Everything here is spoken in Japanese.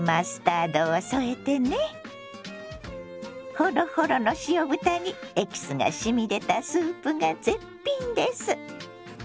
ほろほろの塩豚にエキスがしみ出たスープが絶品です。